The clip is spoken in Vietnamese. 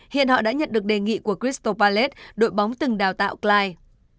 hiện họ đã nhận được đề nghị của crystal palace đội bóng từng đào tạo clyde